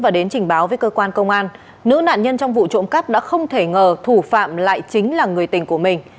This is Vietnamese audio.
trong những trình báo với cơ quan công an nữ nạn nhân trong vụ trộm cắt đã không thể ngờ thủ phạm lại chính là người tình của mình